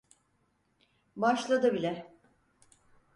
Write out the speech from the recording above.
Başladı bile.